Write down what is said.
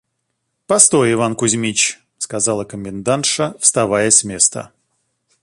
– Постой, Иван Кузьмич, – сказала комендантша, вставая с места.